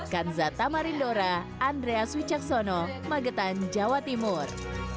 kanzata marindora andrea suicaksono magetan jawa timur